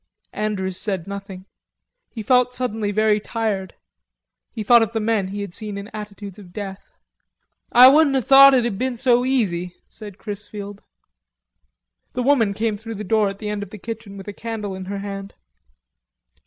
Andrews said nothing. He felt suddenly very tired. He thought of men he had seen in attitudes of death. "Ah wouldn't ha' thought it had been so easy," said Chrisfield. The woman came through the door at the end of the kitchen with a candle in her hand.